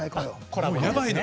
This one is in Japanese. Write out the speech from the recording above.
やばいの。